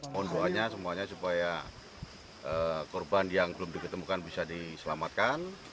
mohon doanya semuanya supaya korban yang belum diketemukan bisa diselamatkan